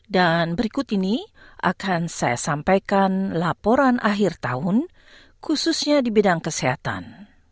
dan berikut ini akan saya sampaikan laporan akhir tahun khususnya di bidang kesehatan